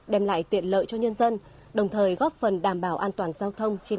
đem lại tiện lợi cho nhân dân đồng thời góp phần đảm bảo an toàn giao thông trên